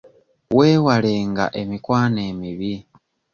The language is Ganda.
Weewalenga emikwano emibi.